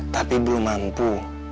tapi belum mampu